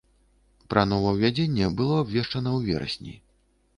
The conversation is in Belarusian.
Пра новаўвядзенне было абвешчана ў верасні.